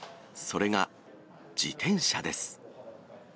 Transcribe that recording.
それが自転車です。